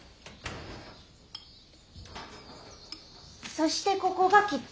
そしてここがキッチンね。